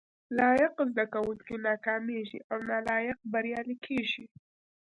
لايق زده کوونکي ناکامېږي او نالايق بريالي کېږي